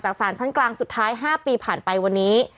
สารชั้นกลางสุดท้าย๕ปีผ่านไปวันนี้